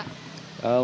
untuk kuda kuda ini